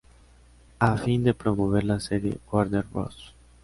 A fin de promover la serie, Warner Bros.